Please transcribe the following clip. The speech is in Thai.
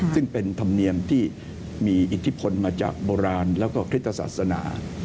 ซึ่งเป็นธรรมเนียมที่มีอิทธิพลมาจากโบราณแล้วก็คริสตศาสนา